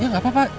ya gak apa apa